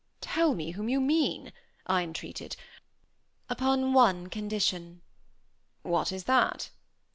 "Tell me whom you mean," I entreated. "Upon one condition." "What is that?"